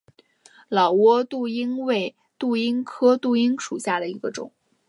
老挝杜英为杜英科杜英属下的一个种。